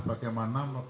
bagaimana bisa melakukan